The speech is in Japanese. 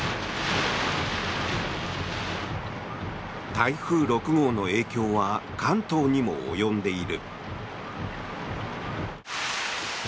台風６号の影響は関東にも及んでいる。